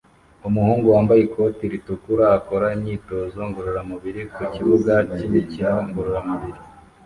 Umuhungu wambaye ikoti ritukura akora imyitozo ngororamubiri ku kibuga cyimikino ngororamubiri